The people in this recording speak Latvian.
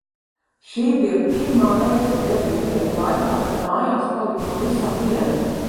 Šī bija pirmā reize deviņu dienu laikā, kad mājās paliku pavisam viena.